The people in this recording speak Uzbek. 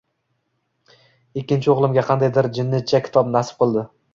Ikkinchi o‘g‘limga qandaydir jinnicha kitob nasib qildi.